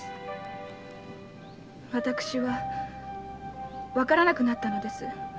私はわからなくなったのです。